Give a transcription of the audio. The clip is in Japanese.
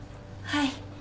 はい。